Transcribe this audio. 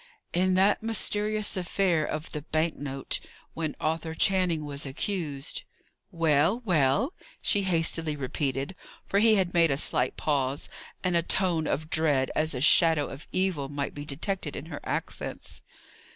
"In that mysterious affair of the bank note, when Arthur Channing was accused " "Well? well?" she hastily repeated for he had made a slight pause and a tone of dread, as a shadow of evil, might be detected in her accents.